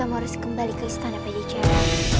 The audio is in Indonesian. tapi kamu harus kembali ke istana pajajara